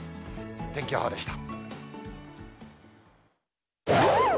天気予報でした。